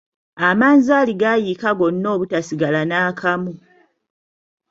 Amanzaali gaayiika gonna obutasigala naakamu.